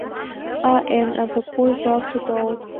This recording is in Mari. — А-а, эн ававуй-влакше толыт.